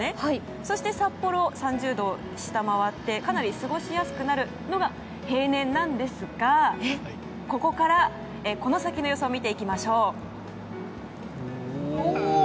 そして札幌、３０度を下回ってかなり過ごしやすくなるのが平年なんですがここから、この先の予想を見ていきましょう。